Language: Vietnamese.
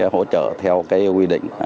hỗ trợ theo quy định